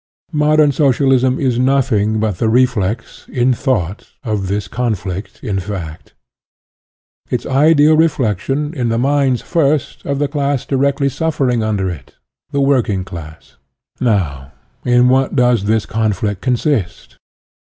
Modern Socialism is noth ing but the reflex, in thought, of this con flict in fact ; its ideal reflection in the minds, first, of the class directly suffering under it, the working class. Now, in what does this conflict consist?